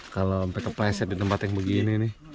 kalau sampai kepleset di tempat yang begini nih